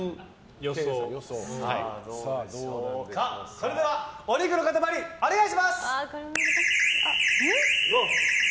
それではお肉の塊お願いします！